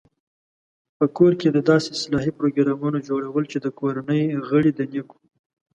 په کور کې د داسې اصلاحي پروګرامونو جوړول چې د کورنۍ غړي د نېکو